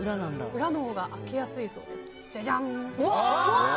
裏のほうが開けやすいそうです。